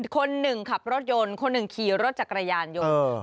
คนหนึ่งขับรถยนต์คนหนึ่งขี่รถจักรยานยนต์